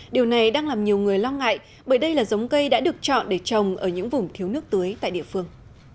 điều này đang làm nhiều người lo ngại bởi đây là giống cây đã được chọn để trồng ở những vùng thiếu nước tưới tại địa phương